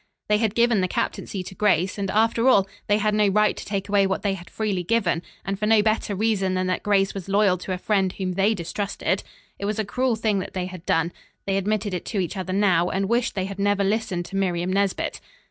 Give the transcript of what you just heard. They had given the captaincy to Grace, and after all, they had no right to take away what they had freely given, and for no better reason than that Grace was loyal to a friend whom they distrusted. It was a cruel thing that they had done. They admitted it to each other now, and wished they had never listened to Miriam Nesbit.